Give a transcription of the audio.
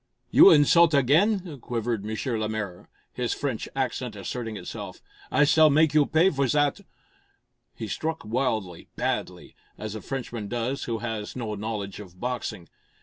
"You insult again!" quivered M. Lemaire, his French accent asserting itself. "I s'all make you pay for zat!" He struck wildly, badly, as a Frenchman does who has no knowledge of boxing.